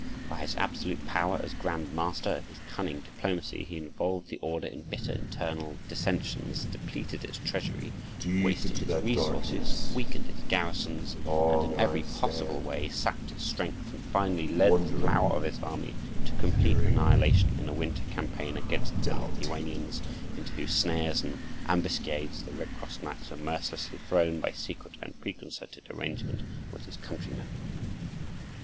By his absolute power as grand master, and his cunning diplomacy, he involved the order in bitter internal dissensions, depleted its treasury, wasted its resources, weakened its garrisons, and in every possible way sapped its strength, and finally led the flower of its army to complete annihilation in a winter campaign against the Lithuanians, into whose snares and ambuscades the Red Cross knights were mercilessly thrown by secret and preconcerted arrangement with his countrymen.